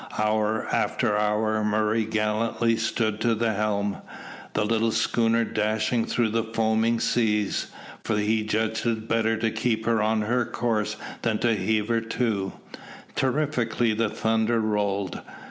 Hour after hour Murray gallantly stood to the helm, the little schooner dashing through the foaming seas, for he judged it better to keep her on her course than to heave her to. Terrifically the thunder rolled.